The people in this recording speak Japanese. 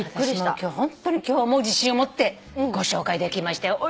私ホントに今日はもう自信を持ってご紹介できましたよ。